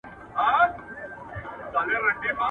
اول سلام ،پسې اتام.